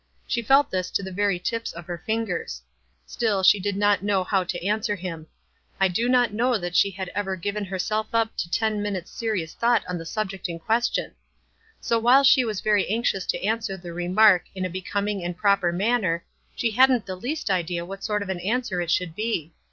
She felt this to the very tips of ber fingers. Still she did not know how to an swer him. I do not know that she had ever 7 98 WTSE AND OTHERWISE. given herself up to ten minutes' serious thought on the subject in question. So while she was very anxious to answer the remark in a becom ing and proper manner, she hadn't the least idea what sort of an answer it should be.